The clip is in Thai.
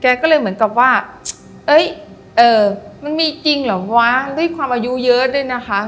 ก็เลยเหมือนกับว่าเอ้ยมันมีจริงเหรอวะด้วยความอายุเยอะด้วยนะคะ